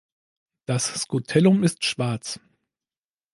Das Scutellum ist schwarz.